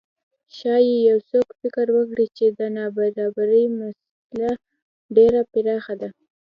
ښايي یو څوک فکر وکړي چې د نابرابرۍ مسئله ډېره پراخه ده.